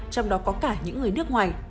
trong đó có cả những người nước ngoài